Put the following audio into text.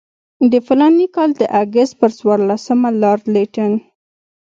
د فلاني کال د اګست پر څوارلسمه لارډ لیټن.